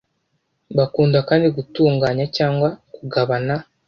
Bakunda kandi gutunganya cyangwa kugabana